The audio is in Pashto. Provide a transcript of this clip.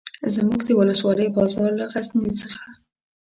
زموږ د ولسوالۍ بازار له غزني څخه.